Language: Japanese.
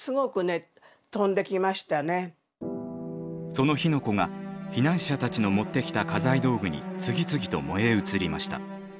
その火の粉が避難者たちの持ってきた家財道具に次々と燃え移りました。